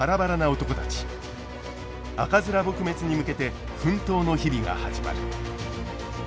赤面撲滅に向けて奮闘の日々が始まる。